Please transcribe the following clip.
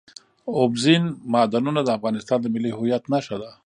اوبزین معدنونه د افغانستان د ملي هویت نښه ده.